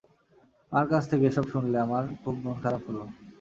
মার কাছ থেকে এসব শুনে আমার খুব মন খারাপ হলো।